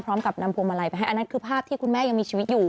พร้อมกับนำทัวร์มาลัยอันนั้นคือภาพที่แม่ยังมีชีวิตอยู่